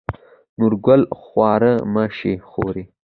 نورګل: خواره مه شې خورې.